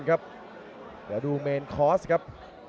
เดี๋ยวดูเมนคอร์สครับ